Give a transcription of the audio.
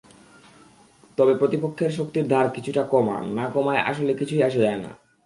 তবে প্রতিপক্ষের শক্তির ধার কিছুটা কমা, না-কমায় আসলে কিছুই আসে যায় না।